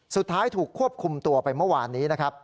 สุดท้ายถูกควบคุมตัวไปเมื่อวานนี้นะครับ